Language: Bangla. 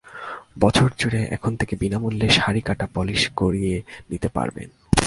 বছরজুড়ে এখান থেকে বিনা মূল্যে শাড়ি কাটা পলিশ করিয়ে নিতে পারবেন।